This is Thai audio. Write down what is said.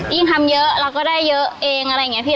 ยิ่งทำเยอะเราก็ได้เยอะเองอะไรอย่างนี้พี่